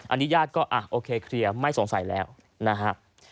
อันนี้ญาติก็โอเคเคลียร์ไม่สงสัยแล้วนะฮะ